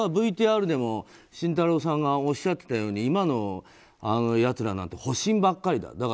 ＶＴＲでも慎太郎さんがおっしゃっていたように今のやつらなんて保身ばっかりだ。